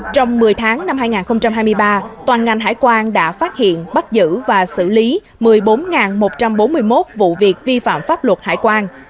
trong một mươi tháng năm hai nghìn hai mươi ba toàn ngành hải quan đã phát hiện bắt giữ và xử lý một mươi bốn một trăm bốn mươi một vụ việc vi phạm pháp luật hải quan